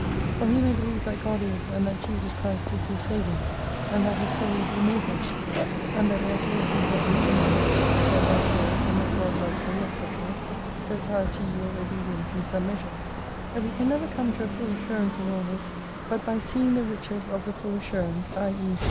For he may believe that God is, and that Jesus Christ is his Saviour, and that his soul is immortal, and that there are joys in heaven, and that the scriptures are God's Word, and that God loves him, &c,, so far as to yield obedience in some measure, but he can never come to a full assurance of all this, but by seeing the riches of the full assurance, t.e.